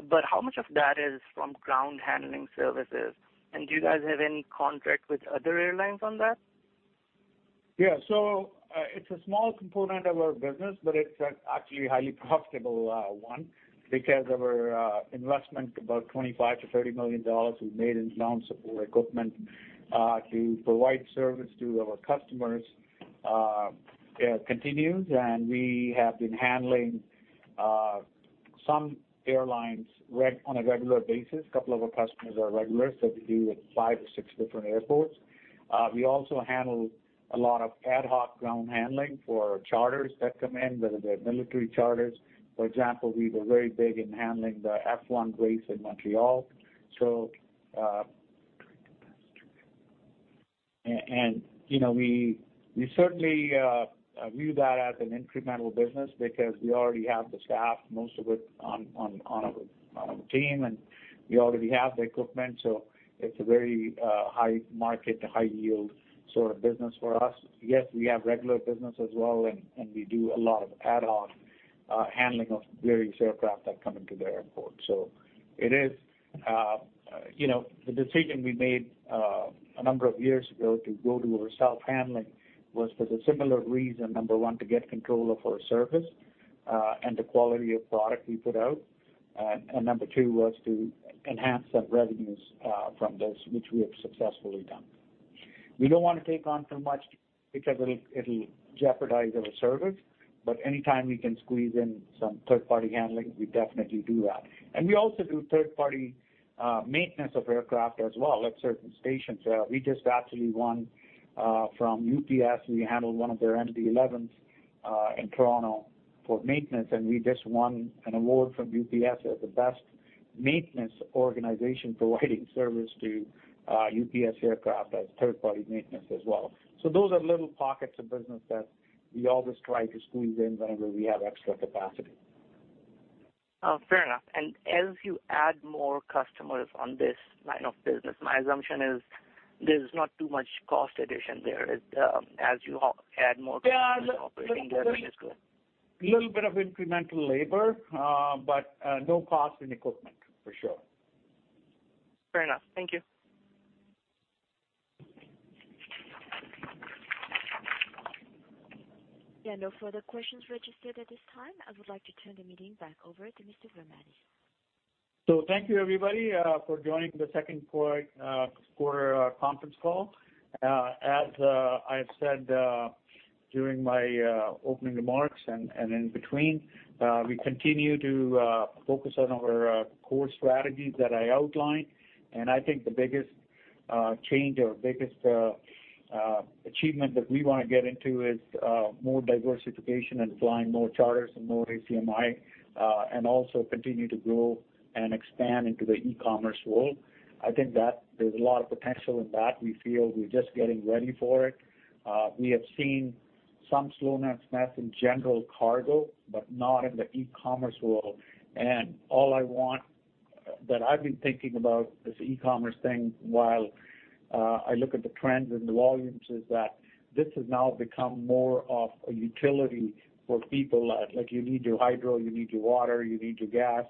but how much of that is from ground handling services? Do you guys have any contract with other airlines on that? Yeah. It's a small component of our business, but it's actually a highly profitable one because of our investment, about 25 million-30 million dollars we made in ground support equipment to provide service to our customers continues. We have been handling some airlines on a regular basis. A couple of our customers are regular, we do it at five or six different airports. We also handle a lot of ad hoc ground handling for charters that come in, whether they're military charters. For example, we were very big in handling the F1 race in Montreal. We certainly view that as an incremental business because we already have the staff, most of it on our team, and we already have the equipment. It's a very high market, a high-yield sort of business for us. Yes, we have regular business as well, and we do a lot of ad hoc handling of various aircraft that come into the airport. The decision we made a number of years ago to go to our self-handling was for a similar reason. Number one, to get control of our service and the quality of product we put out, and number two was to enhance the revenues from this, which we have successfully done. We don't want to take on too much because it'll jeopardize our service, but anytime we can squeeze in some third-party handling, we definitely do that. We also do third-party maintenance of aircraft as well at certain stations. We just actually won from UPS. We handled one of their MD-11s in Toronto for maintenance. We just won an award from UPS as the best maintenance organization providing service to UPS aircraft as third-party maintenance as well. Those are little pockets of business that we always try to squeeze in whenever we have extra capacity. Fair enough. As you add more customers on this line of business, my assumption is there's not too much cost addition there as you add more customers operating there, which is good. Little bit of incremental labor, but no cost in equipment, for sure. Fair enough. Thank you. Yeah, no further questions registered at this time. I would like to turn the meeting back over to Mr. Virmani. Thank you, everybody, for joining the second quarter conference call. As I've said during my opening remarks and in between, we continue to focus on our core strategies that I outlined, and I think the biggest change or biggest achievement that we want to get into is more diversification and flying more charters and more ACMI, and also continue to grow and expand into the e-commerce world. I think that there's a lot of potential in that. We feel we're just getting ready for it. We have seen some slowness in general cargo, but not in the e-commerce world. All I want that I've been thinking about this e-commerce thing while I look at the trends and the volumes, is that this has now become more of a utility for people. Like you need your hydro, you need your water, you need your gas,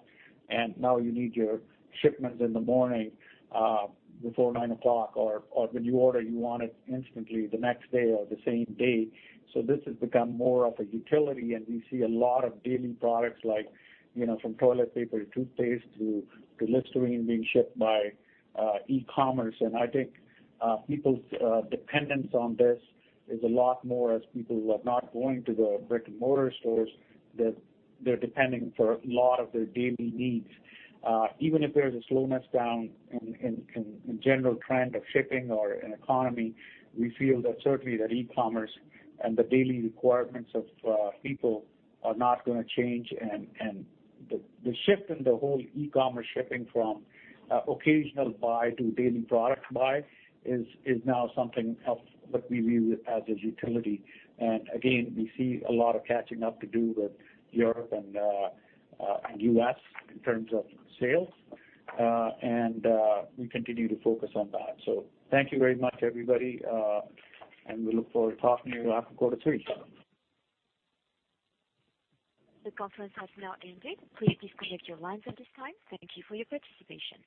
now you need your shipments in the morning before nine o'clock or when you order, you want it instantly the next day or the same day. This has become more of a utility, we see a lot of daily products like from toilet paper to toothpaste to Listerine being shipped by e-commerce. I think people's dependence on this is a lot more as people are not going to the brick-and-mortar stores, that they're depending for a lot of their daily needs. Even if there's a slowness down in general trend of shipping or in economy, we feel that certainly that e-commerce and the daily requirements of people are not going to change. The shift in the whole e-commerce shipping from occasional buy to daily product buy is now something else that we view as a utility. Again, we see a lot of catching up to do with Europe and U.S. in terms of sales, and we continue to focus on that. Thank you very much, everybody, and we look forward to talking to you after quarter three. The conference has now ended. Please disconnect your lines at this time. Thank you for your participation.